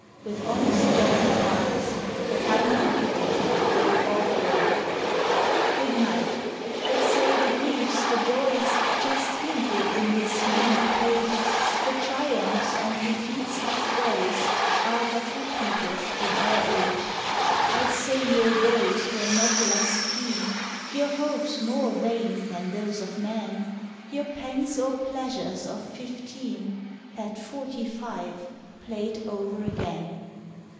— with honest, gentle hearts A kindly greeting go alway! Good night! — I 'd say the griefs, the joys, Just hinted in this mimic page, The triumphs and defeats of boys, Are but repeated in our age; I 'd say your woes were not less keen, Your hopes more vain, than those of men, — Your pangs or pleasures of fifteen At forty five played o'er again.